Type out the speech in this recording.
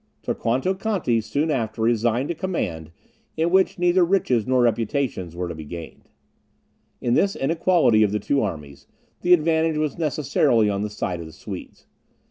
Torquato Conti soon after resigned a command, in which neither riches nor reputation were to be gained. In this inequality of the two armies, the advantage was necessarily on the side of the Swedes.